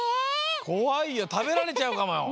こわいよたべられちゃうかもよ。